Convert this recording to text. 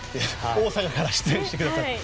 大阪から出演してくださって。